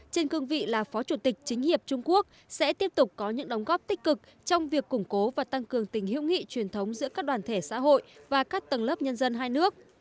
trên cương vị là phó chủ tịch chính hiệp trung quốc sẽ tiếp tục có những đóng góp tích cực trong việc củng cố và tăng cường tình hữu nghị truyền thống giữa các đoàn thể xã hội và các tầng lớp nhân dân hai nước